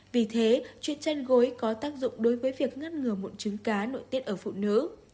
vì thế chuyện tranh gối có tác dụng đối với việc ngăn ngừa mụn trứng cá nội tiết ở phụ nữ